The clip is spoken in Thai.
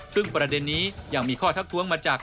ซึ่งประเด็นนี้ยังมีข้อทักท้วงมาจาก